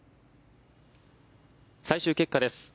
最終結果です。